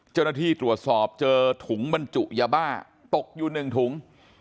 เจ้าหน้าที่ตรวจสอบเจอถุงบรรจุยาบ้าตกอยู่๑ถุง